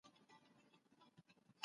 په مابينځ کي یو نری او اوږد پول جوړېږي.